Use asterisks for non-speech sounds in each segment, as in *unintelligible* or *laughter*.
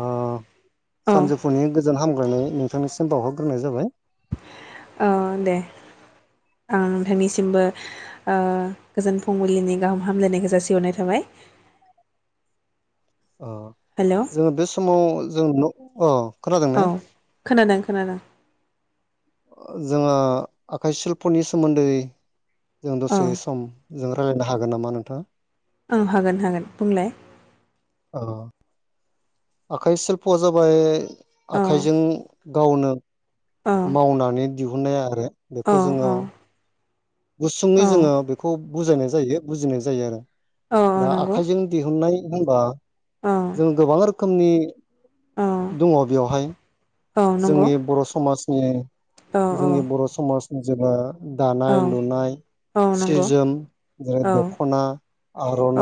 ओ औ सानजौफुनि गोजोन हामग्रोनानै । नोंथांनिसिम बावहरग्रोनाय जाबाय । औ दे आं नोंथांनिसिमबो । ओ गोजोन फुंबिलिनि गाहाम हामलायनायखौ जासिहरनाय थाबाय । अ जोङो बे समाव जों अ खोनादों ने औ खोनादों खोनादों । जोङो आखाइ सिल्पनि सोमोन्दै जों औ दसे सम जो रायलायनो हागोन नामा नोंथाङा? औ हागोन हागोन बुंलाय । औ। आखाइ सिल्प'आ जाबाय औ आखाइजों गावनो औ मावनानै दिहुननाय आरो औ बेखौ जोङो। गुसुङै औ जोङो बेखौ बुजायनाय जायो बुजिनाय जायो आरो। औ दा नंगौ आखाइजों दिहुननाय होनबा औ जों गोबां रोखोमनि औ दङ बेयावहाय। जोंनि बर' समाजनि। अ अ। समाज जेबा दानाय लुनाय औ सि नंगौ जोम जेरै औ दख'ना।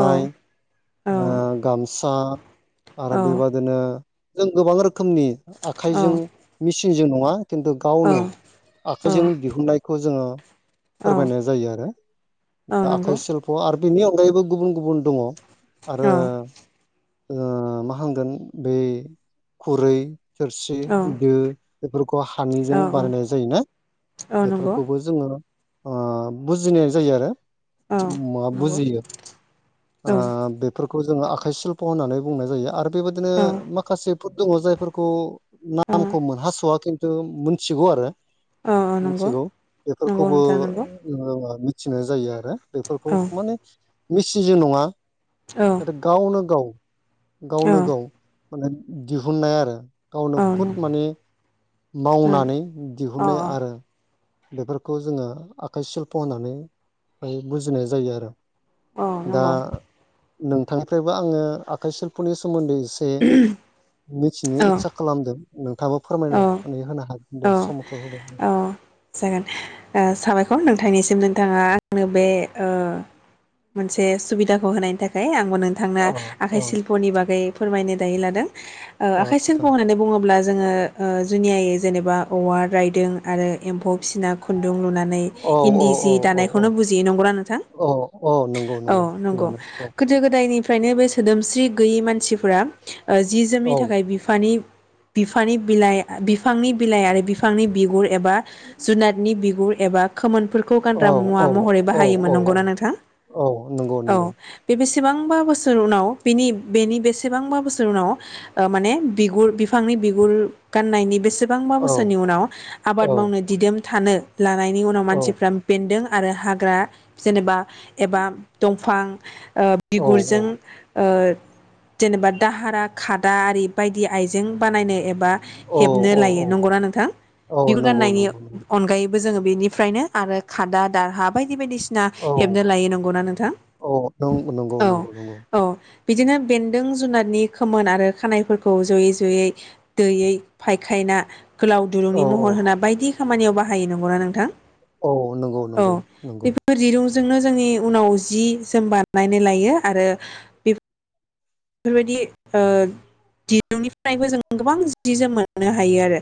औ औ गामसा आरो औ बेबादिनो जों गोबां रोखोमनि औ आखाइजों मेसिनजों नङा खिन्थु गावनो आखाइजों दिहुनन्नायखौ जोङो औ फोरमायनाय जायो आरो नंगौ आखाइ सिल्फ' आरो बेनि अनगायैबो गुबुन गुबुन दङ आरो औ ओ मा हगोन बै खुरै थोरसि औ दो बेफोरखौ औ हानिजों बानायनाय जायोना नंगौ औ बेफोरखौबो जोङो ओ बुजिनाय जायो आरो मा नंगौ बुजियो ओ औ बेफोरखौ जोङो आखाइशिल्प' होननानै बुंनाय जायो आरो बेबायदिनो औ माखासेफोर दङ जायफोरखौ औ नामखौमोन हास'आ खिन्थु मोनथिगौ आरो औ औ नंगौ मिथिगौ नंगौ नोंथां नंगौ बेफोरखौबोङो मिथिनाय जायो आरो । औ बेफोरखौ माने मिसिजो नङा औ नाथाय गावनो गाव औ गावनो गाव माने दिहुननाय आरो गावनो औ खुद नंगौ माने औ मावनानै औ दिहुनो आरो । बेफोरखौ जोङो आखाइ सिल्प' होननानै बुजिनाय जायो आरो औ दा नंगौ नोंथांनिफ्रायबो आङो आखाइ सिल्प'नि सोमोन्दै एसे औ मिथिनो इस्सा खालामदों नोंथाबो औ फोरमायनानै होनो हागोन दे समखौ होबाय। औ जागोन ओ साबायखर नोंथांनिसिम नोंथाङा आंनो बेओ । मोनसे सुबिदाखौ होनायनि थाखाय आं। नोंथांनो अ आखाइ अ शिल्प'नि बागै फोरमायनो दायो लादों ओ आखाइ शिल्प' आदसा होननानै बुङोब्ला। जोङो ओ जुनियायै जेनेबा औवा रायदों आरो एम्फौ फिसिना ख। गुदुं लुनानै औ औ इन्दि जि औ औ औ दानायखौनो बुजियै नंगौ नोंथां। औ औ नंगौ औ नंगौ थिगानो औ गोदो गोदायनि। फ्रायनो बे सोदोमस्रि गैयै मानसिफोरा ओ जि जोमनि औ थाखाय बिफानि। बिफानि बिलाइ बिफांनि बिलाइ आरो बिफांनि बिगुर एबा जुनारनि बिगुर। एबा खोमोन। फोरखौ औ गानग्रा मुवा औ महरै औ बाहायोमोन औ औ नंगौना नोंथांऔ औ नंगौ नंगौ बे बेसे। सेबांबा बोसोर उनाव बेनि बेनि बेसेबांबा बोसोर उनाव माने ओ बिगुर बिफांनि। बिगुर गान्नायनि बेसेबांबा औ बोसोरनि उनाव आबाद औ मावनो दिदोम थानो। लानायनि उनाव औ मानसिफ्रा बेन्दों आरो हाग्रा। जेनेबा एबा दंफां ओ औ बिगुरजों ओ। जेनेबा दाहारा खादा आरि बायदि आइजें बानायनायनो। एबा औ हेबनो लायो औ नंगौना नोंथां औ बिगुर नंगौ गारनायनि। नंगौ नंगौ अनगायैबो जोङो बेनिफ्रायनो आरो खादा दारहा बायदि बायदिसि ना औ हेबनो लायो नंगौना नोंथां औ नंगौ नंगौ नंगौ नंगौ औ-औ। बिदिनो बेन्दों जुनादनि खोमोन आरो खानायफोरखौ जयै जयै दैयै फायखायना। गोलाव दुरुंनि औ औ महर होना बायदि खामानियाव बाह हायो नंगौना नोंथां औ नंगौ औ नंगौ नंगौ बेफोर दिरुं जोंनो जोंनि उनाव जि जोम बानायनाय लायो आरोबे बेफोरबायदि ओ। दिरुंनिफ्रायबो जों गोबां जि जोम मोननो हायो आरो।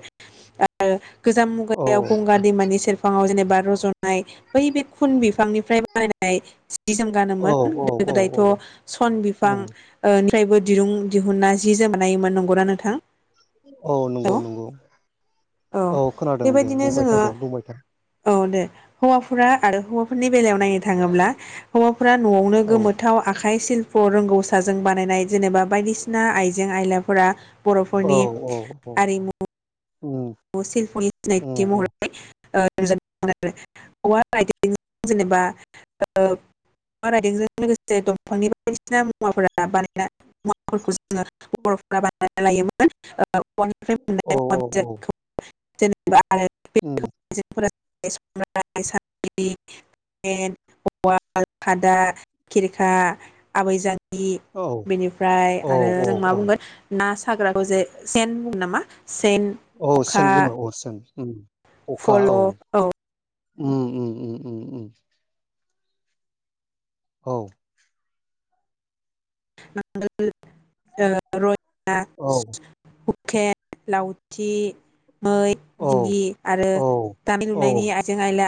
गोजाम औ मुगायाव औ गंगा दैमानि सेरफाङाव जेने बा रजनाय बै बे खुन बिफांनिफ्राय बानायनाय जि-जोम औ गानोमोन औ गोदो औ गोदायथ' औ सन बिफां। उम निफ्रायबो दिरुं दिहुना जि जोम बानायोमोन नंगौना नोंथां। औ नंगौ नंगौ औ खोनादों दे बेबायदिनो बुंबाय था जोङो दे बुंबाय था। औ दे हौवाफोरा आरो हौवाफोरनि बेलायाव नायनो थाङोब्ला हौवाफ्रा न'आवनो औ गोमोथाव आखाइ सिल्प' रोंगौ सा जों बानायनाय जेनेबा बायदिसिना आइजें आइलाफोरा। औ बर'फोरनि औ औ आरिमु। उम शिल्फ'नि सिनायथि उम उम महरै *inaudible* *unintelligible* औवा रायदोंजों लोगोसे दंफांनि बायदिसिना मुवाफोरा बानायना मुवाफोरखौ जोङो खर औ औ *unintelligible* औ *unintelligible* *unintelligible* उम उवाल खादा खिरखा आबै जां गि औ बेनिफ्राय औ आरो औ जों मा औ बुंगोन नास ग्राखौ जे सेन बुङो नामा सेन। अ खखा सेन बुङो अ सेन उम। फल' औ। उम उम उम उम । औ।। *unintelligible* औ *unintelligible* लावथि। मै दिंगि आरो औ दानाय औ लुनायनि आइजें आइला।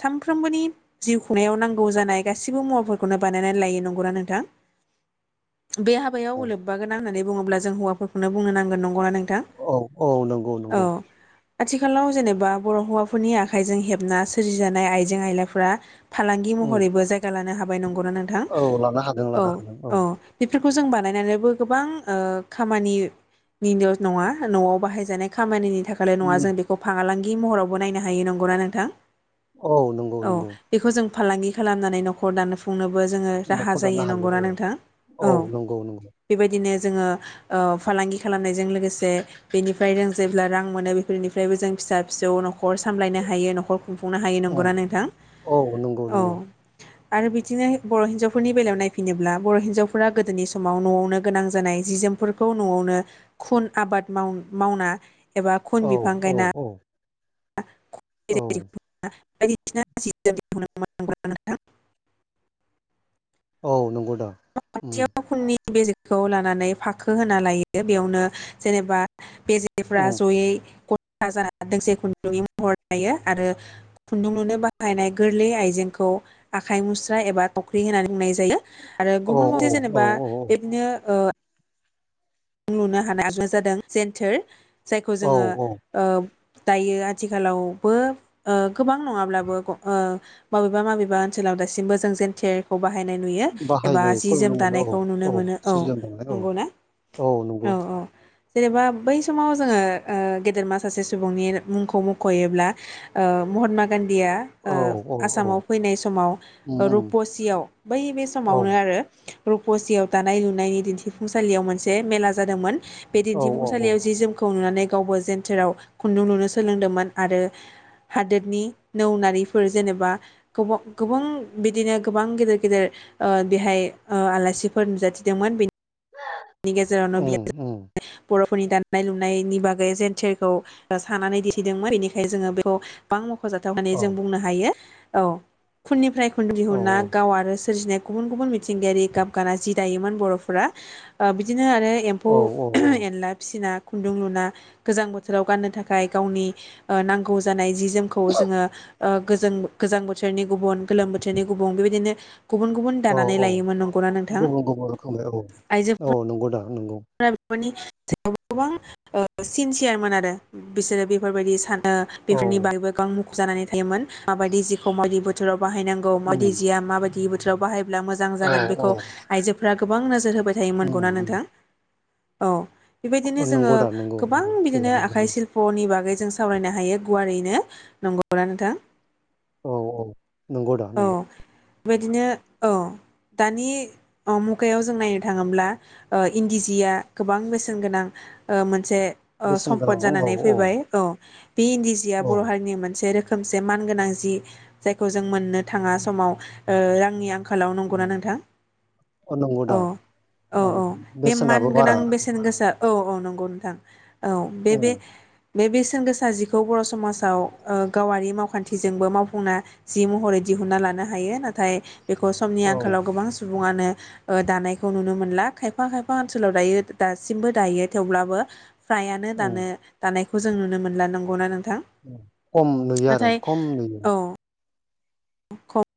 सानफ्रोमबोनि जिउ खुंनायाव नांगौ जानाय गासिबो मुवाफोरखौनो बानायनानै लायो नंगौ ना नोंथां? *unintelligible* बे हाबायाव लोब्बा गोनां होननानै बुङोब्ला जों हौवाफोरखौनो बुंनो नांगोन नंगौ ना नों औ औ नंगौ नंगौ। आथिखालाव जेनेबा बर' हौवाफोरनि आखाइजों हेबना सोरजिजानाय आइजें आइलाफोरा। फालांगि उम महरैबो जायगा लानो हाबाय नंगौना नोंथां औ लानो हादों लानो हादों औ। औ। खौ जों बानायनानैबो ओ गोबां ओ खामानि। निनजस नङा न'आव बाहायजानाय खामानिनि थाखैल' नङा उम जों बेखौ फालांगि महरावबो नायनो हायो नंगौना नोंथां? औ नंगौ औ नंगौ। बेखौ जों फालांगि खालामनानै न'खर दानफुंनोबो जोङो राहा न'खर दानो जायो हायो नंगौना औ नोंथां। औ नंगौ नंगौ। बिदिनो जोङो ओ फालांगि खालामनायजों लोगोसे बिनिफ्रायनो जेब्ला रां मोनो बेफोरनिफ्रायबो जों फिसा फिसौ न' खर सामलायनो हायो न'खर खुंफुंनो हायो उम नंगौना नोंथां? औ नंगौ औ नंगौ आरो बिदिनो बर' हिन्जावफोरनि बेलायाव नायफिनोब्ला बर' हिन्जावफोरा गोदोनि समाव न'आवनो गोनां जानाय जि जोमफोरखौ न'आवनो खुन आबाद माव मावना एबा औ खुन बिफां औ गायना औ औ *inaudible* *inaudible* औ नंगौदा बेेलेगखौ लानानै फाखो होना लायो बेयावनो जेनेबा बेेजेफ्रा उम जयै गा ज जेखुनु महर लायो आरो खुन्दुं लुनो बाहायनाय गोरलै आइजेंखौ आखाइ मुस्रा एबा थख्रि होननानै बुंनाय जायो आरो औ औ गुबसे औ जेनेबा बेनो ओ न्दुं लुनो हानाय आगजुआनो जादों जेन्टेर जायखौ औ जोङो औ ओ दायो आथिखालावबो ओ गोबां नङाब्लाबो ओ मबेबा मबेबा ओनसोलाव दासिमबो जों जेन्टेरखौ बाहायनाय नुयो एबा जि बाहायनायखौ नुनो जोम मोनो औ दानायखौ नुनो मोनो औ सिजोन दंलाय औ नंगौ ना औ नंगौ जेनेबा बै समाव जोङो ओ गेदेरमा सासे सुबुंनि मुंखौ मख'योब्ला ओ महात्मा गान्धी आ औ ओ औ औ आसामाव फैनाय समाव उम उम रुपसियाव बै बे औ समावनो आरो रुपसियाव दानाय लुनायनि दिन्थिफुंसालियाव मोनसे मेला जादोंमोन। बे औ औ औ दिन्थिफुंसालियाव जि जोमखौ नुनानै गावबो जेेन्टेराव खुन्दुं लुनो सोलोंदोंमोन आरो हादोरनि नौ नारिफोर जेनेबा गोबा गोबां बिदिनो गोबां गेदेर गेदेर ओ बेहाय ओ आलासिफोर नुजाथिदोंमोन बेनि उम उम *inaudible* बर'फोरनि दानाय-लुनायनि बागै जेेन्टेरखौ ओ सानानै दिन्थिदोंमोन बेनिखायनो जोङो बेखौ मखजाथाव होननानै औ जों बुंनो हायो औ खुनिफ्राय खुन्दुं औ दिहुनना गाव आरो सोरजिनाय गुबुन गुबुन मिथिंगायारि गाबगाना जि दायोमोन बर'फोरा ओ बिदिनो बिदिनो आरो औ एम्फौ-एनला फिसिनाय खुन्दुं लुना गोजां बोथोराव गाननो थाखाय गावनि ओ नांगौ जानाय जि जोमखौ जोङो ओ गोजोन गोजां बोथोरनि गुबुन गोलोम बोथोरनि गुबुन बेबायदिनो गुबुन गुबुन औ दानानै औ लायोमोन नंगौना नोंथां गुबुन नांगौ बेफोरनि सायाव गोबां ओ सिनसियारमोन आरो बिसोरो बेफोरबायदि सान ओ औ बेफोरनि बागैबो गोबां मुखुब जानानै थायोमोन माबायदि जिखौ बायदि बोथोराव बाहायनांगौ मादि उम जिया माबा दि बोथोराव बाहायब्ला मोजां औ जागोन औ बेखौ आयजोफोरा गोबां नोजोर हो होबाय थायोमोन नोंगौना उम नोंथां औ बेबायदिनो उम जोङो नंगौ दा नंगौ गोबां नंगौ बिदिनो थिगानो आखाइ नंगौ सिल्प'नि बागै जों सावरायनो हायो गुवारैनो नंगौना नोंथां? औ औ नंगौदा औ नंगौ बेबायदिनो औ दानि मुगायाव जों नायनो थाङोब्ला ओ इन्दि जिया गोबां बेसेन गोनां। ओ मोनसे ओ बेसेन सम्पद गोनां औ जानानै फैबाय औ बे इन्दि जिया औ बर' हारिनि मोनसे रोखो खोमसे मान गोनां जि जायखौ जों मोननो थाङा समाव ओ रांनि आं खालायाव नंगौना नोंथां? नंगौ औ दा औ ओ औ बे बेसेनाबो मानगोनां बारा बेसेन गोसा औ औ नंगौ नोंथां औ बे उम बे बे बेसेन गोसा जिखौ बर' समाजाव ओ गावारि मावखान्थिजोंबो मावफुंना जि महरै दिहुनना लानो हायो नाथाय बेखौ समनि औ आंखालाव गोबां सु बुङानो ओ दानायखौ नुनो मोनला खायफा खायफा ओनसोलाव दायो दासिमबो दायो थेवब्लाबो फ्रायानो उम दानो दानायखौ जों नुनो मोनला नांगौना नों थां उम खम नुयो आरो नाथाय खम नुयो औ *inaudible*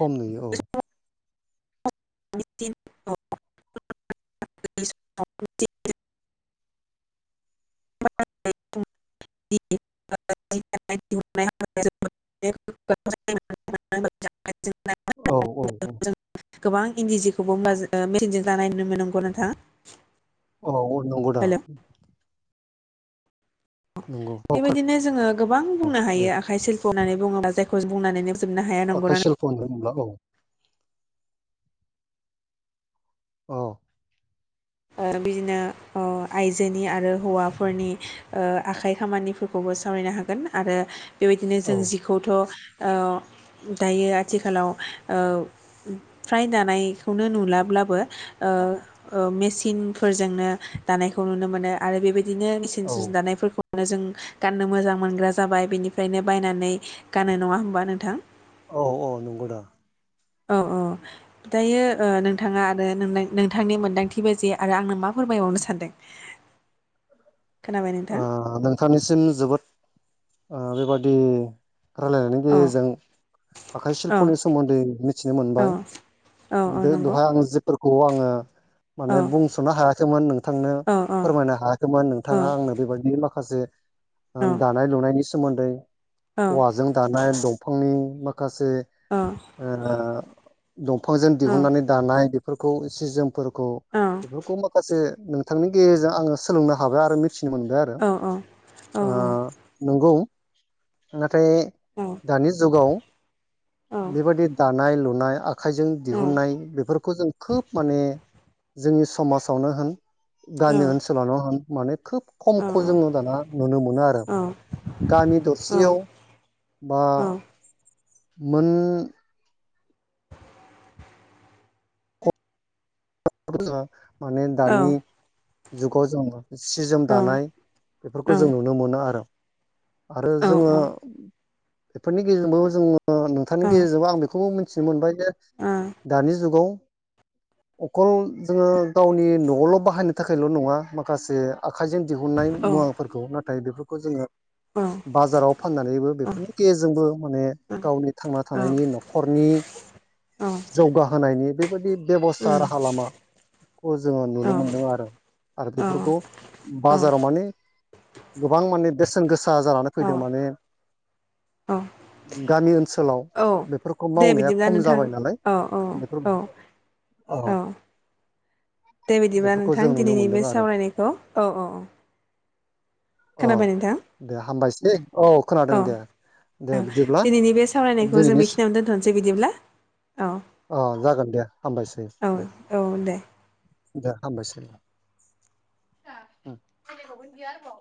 खम नुयो औ *unintelligible* *unintelligible* *unintelligible* औ औ औ गोबां इन्दि जिखौबो मेसिनजों दानाय नुनो मोनो नंगौ नोंथां औ औ नंगौ दा? हेल' नंगौ औ खोन बेबायदिनो जोङो गोबां बुंनो दे हायो आखाइ सिल्प' होननानै बुङोबा जायखौ बुंनानैनो फोजोबनो हाया आखाय नंगौना सिप्ल होनदों नामा औ औ ओ बिदिनो ओ आइजोनि आरो हौवाफोरनि ओ आखाइ खामानिफोरखौबो सावरायनो हागोन आरो बेबायदिनो औ जों जिखौथ' ओ दायो आथिखालाव ओ फ्राय दानायखौनो नुलाब्लाबो ओ ओम मे सिनफोरजोंनो दानायखौ नुनो मोनो आरो बेबायदिनो मिसिन औ सिन दानायफोरखौ नो जों गाननो मोजां मोनग्रा जाबाय बेनिफ्रायनो बायनानै गानो नङा होमबा नोंथां? औ औ नंगौदा औ औ दायो ओ नोंथाङा आरो नोंनां नोंथांनि मोन्दांथिबो जे आरो आंनो मा फोरमायबावनो सानदों? खोनाबाय नोंथां ओ नोंथांनिसिम जोबोद ओ बेबादि रायलायनायनि औ नंगौ औ उम औ गेजेरजों आखाइ सिल्पनि सोमोन्दै मिथिनो मोनबाय। दहाय आं जिफोर खौ आङो माने बुंस'नो हायाखैमोन नोंथांनो फोरमायनो हायाखैमोन नोंथाङा आंनो बे माखासे दानाय लुनायनि सोमोन्दै औवाजों दानाय दं फांनि माखासे ओ दंफांजों दिहुननानै दानाय बेफोरखौ सि जोमफोरखौ बेफोरखौ माखासे नोंथांनि गेजेरजों आङो सोलोंनो हाबाय आरो मिथि मोनदो‌ं आरो ओ‌ नोंगौ नाथाय दानि जुगाव बेबायदि दानाय लुनाय आ खाइजों दिहुननाय बेफोरखौ जों खोब माने जोंनि समाजावनो होन गामि ओनसोलावनो माने खोब खमखौ जोङो दाना नुनो मोनो आरो औ गामि औ दरसेयाव बा औ मोन *unintelligible* माने दानि जुगाव जोङो सि जोम दानाय बेफोरखौ जों नुनो मोनो आरो आरो जोङो बेफोरनि गेजेरजोंबो जोङो नोंथांनि गेजेरजोंबो आं बेखौबो मि थिनो मोनबाय जे दानि जुगाव अखल जोङो गावनि न'आवल' बाहायनो थाखायल' नङा माखासे आखाइजों दिहुननाय मुवाफोरखौ नाथाय बेफोरखौ जोङो उम बाजाराव फाननानैबो बेफोरनि गेजेरजोंबो माने गावनि थांना थानायनि न'खरनि जौगाहोनायनि बेबायदि बेब'स्था राहा लामा खौ जोङो नुनो मोनदों आरो आरो बेफोरखौ बाजाराव माने गोबां माने बेसेन गोसा जानानै फैदों माने गामि ओनसोलाव बेफोरखौ दे मावनाया बिदिब्ला खम नोंथां जाबाय नालाय औ औ बेफोर औ अ औ दे बिदिबा बेफोरखौ नोंथां जों नुनो दिनैनि मोनदों बे आरो सावरायनायखौ औ औ अ खोनाबाय नोंथां दे हामबायसै औ खोनादों दे दे ओं बिदिब्ला दिनैनि बे सावरायनायखौ जों दिनैनि बेखिनियावनो दोनथ'नोसै बिदिब्ला औ अ जागोन दे हामबायसै औ दे औ दे दे हामबायसै *inaudible*